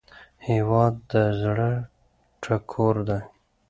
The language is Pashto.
هیواد د زړه ټکور دی